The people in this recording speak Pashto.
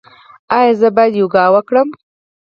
ایا زه باید یوګا وکړم؟